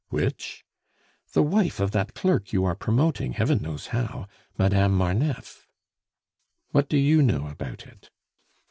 "Which?" "The wife of that clerk you are promoting, heaven knows how! Madame Marneffe." "What do you know about it?"